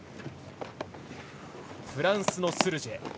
フランスのスルジェ